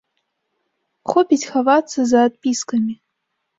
Хопіць хавацца за адпіскамі.